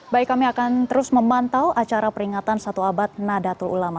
baik kami akan terus memantau acara peringatan satu abad nadatul ulama